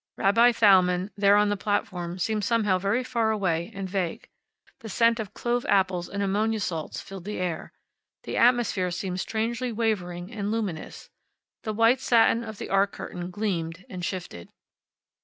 Rabbi Thalmann, there on the platform, seemed somehow very far away and vague. The scent of clove apples and ammonia salts filled the air. The atmosphere seemed strangely wavering and luminous. The white satin of the Ark curtain gleamed and shifted.